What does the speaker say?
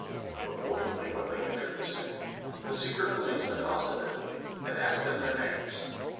Accordingly, when they entered the city, the secret police[FN#18] accosted them and asked them their names.